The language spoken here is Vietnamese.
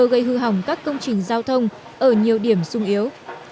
gây hư hỏng các công trình giao thông ở nhiều điểm sung yếu